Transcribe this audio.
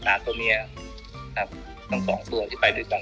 ตัวเมียครับทั้งสองตัวที่ไปด้วยกัน